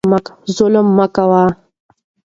ظلم مه کوئ.